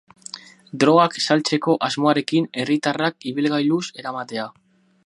Drogak saltzeko asmoarekin, herritarrak ibilgailuz eramatea.